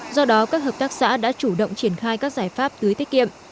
do đó các hợp tác xã đã chủ động triển khai các giải pháp tưới tiết kiệm